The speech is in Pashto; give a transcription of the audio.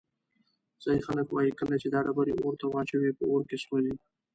ځایی خلک وایي کله چې دا ډبرې اور ته واچوې په اور کې سوځي.